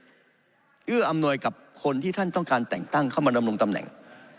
เอื้ออำนวยกับคนที่ท่านต้องการแต่งตั้งเข้ามาดำรงตำแหน่ง